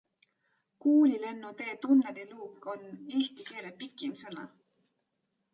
With regard to the openings, the main façade currently is very changed.